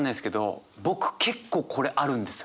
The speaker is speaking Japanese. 僕結構これあるんですよ。